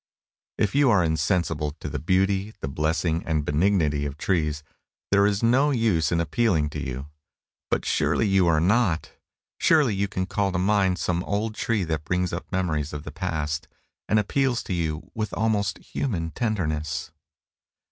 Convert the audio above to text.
If you are insensible to the beauty, the blessing and benignity of trees, there is no use in appealing to you. But surely you are not! Surely you can call to mind some old tree that brings up memories of the past, and appeals to you with almost human tenderness!